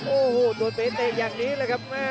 โอ้โหโดนไปเตะอย่างนี้เลยครับ